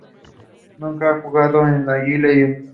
Nunca han jugado en la J League.